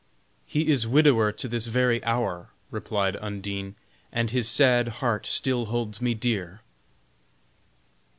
"He is a widower to this very hour," replied Undine, "and his sad heart still holds me dear."